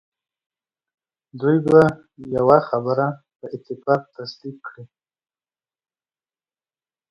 دوی به یوه خبره په اتفاق تصدیق کړي.